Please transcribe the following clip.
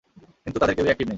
কিন্তু তাদের কেউই এক্টিভ নেই।